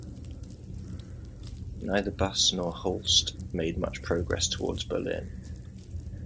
Neither Busse nor Holste made much progress towards Berlin.